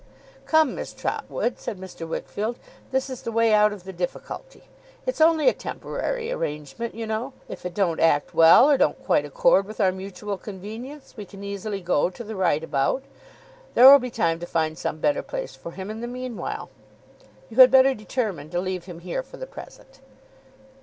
'Come, Miss Trotwood,' said Mr. Wickfield. 'This is the way out of the difficulty. It's only a temporary arrangement, you know. If it don't act well, or don't quite accord with our mutual convenience, he can easily go to the right about. There will be time to find some better place for him in the meanwhile. You had better determine to leave him here for the present!